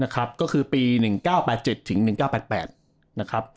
ก็คือปี๑๙๗๗ถึง๑๙๘๘